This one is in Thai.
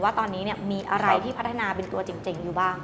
ว่าตอนนี้มีอะไรที่พัฒนาเป็นตัวเจ๋งอยู่บ้าง